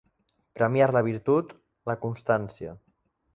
Premiar la virtut, la constància.